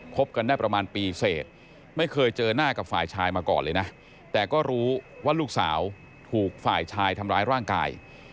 บกันได้ประมาณปีเสร็จไม่เคยเจอหน้ากับฝ่ายชายมาก่อนเลยนะแต่ก็รู้ว่าลูกสาวถูกฝ่ายชายทำร้ายร่างกาย